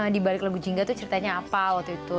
di balik lagu jingga tuh ceritanya apa waktu itu